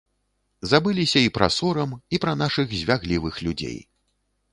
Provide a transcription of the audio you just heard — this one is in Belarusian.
Забыліся і пра сорам, і пра нашых звяглівых людзей.